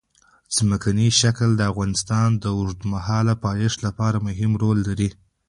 ځمکنی شکل د افغانستان د اوږدمهاله پایښت لپاره مهم رول لري.